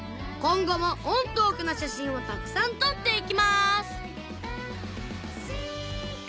今後もオンとオフの写真をたくさん撮っていきます